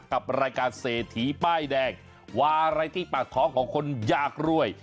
กับรายการเศรษฐีป้ายแดงวารายที่ปัดของคนยากรวย